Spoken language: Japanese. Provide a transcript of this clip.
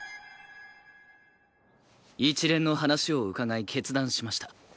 一連の話を伺い決断しました。